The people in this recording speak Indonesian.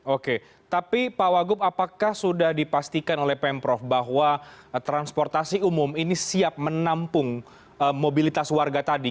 oke tapi pak wagub apakah sudah dipastikan oleh pemprov bahwa transportasi umum ini siap menampung mobilitas warga tadi